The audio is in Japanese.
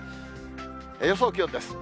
予想気温です。